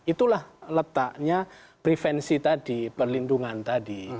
itulah letaknya prevensi tadi perlindungan tadi